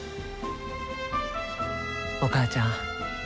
お母ちゃん